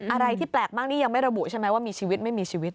อะไรที่แปลกมากนี่ยังไม่ระบุใช่ไหมว่ามีชีวิตไม่มีชีวิต